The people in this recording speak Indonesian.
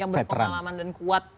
yang berpengalaman dan kuat